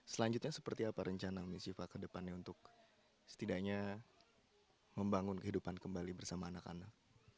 selanjutnya seperti apa rencana umi syifa kedepannya untuk setidaknya membangun kehidupan kembali bersama anak anak